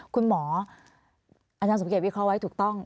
คุณหมออาจารย์สมเกตวิเคราะห์ไว้ถูกต้อง